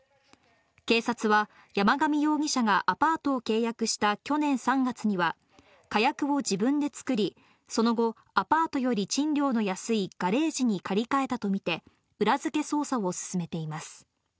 警察は、山上容疑者がアパートを契約した去年３月には、火薬を自分で作り、その後、アパートより賃料の安いガレージに借り換えたと見て、裏付け捜査を進めています。